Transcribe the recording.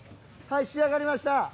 はい仕上がりました。